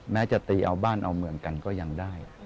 แม้จะตีเอาบ้านเอาเมืองกันก็ยังได้